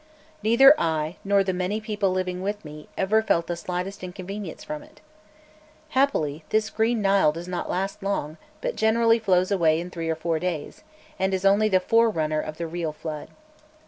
Neither I, nor the many people living with me, ever felt the slightest inconvenience from it. Happily, this Green Nile does not last long, but generally flows away in three or four days, and is only the forerunner of the real flood.